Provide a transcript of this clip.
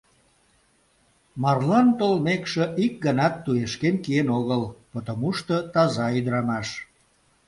Марлан толмекше, ик ганат туешкен киен огыл, потомушто таза ӱдырамаш.